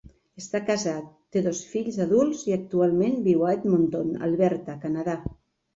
Està casat, té dos fills adults i actualment viu a Edmonton, Alberta (Canadà).